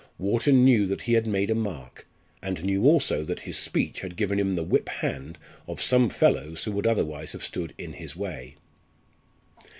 Wharton knew that he had made a mark, and knew also that his speech had given him the whip hand of some fellows who would otherwise have stood in his way.